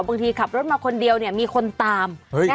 บางทีขับรถมาคนเดียวเนี่ยมีคนตาม